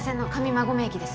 馬込駅です